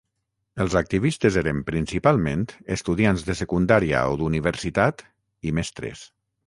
Els activistes eren principalment estudiants de secundària o d'universitat i mestres.